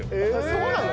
そうなの？